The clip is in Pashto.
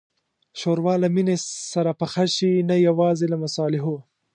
ښوروا له مینې سره پخه شي، نه یوازې له مصالحو.